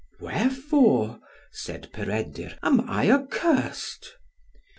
"Wherefore," said Peredur, "am I accursed?"